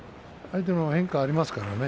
相手は変化がありますからね